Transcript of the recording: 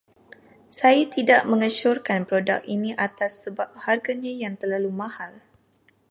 Saya tidak mengesyorkan produk ini atas sebab harganya yang terlalu mahal.